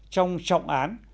trong trọng án